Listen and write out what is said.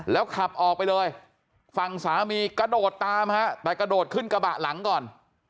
แล้วขับออกไปเลยฝั่งสามีกระโดดตามฮะแต่กระโดดขึ้นกระบะหลังก่อน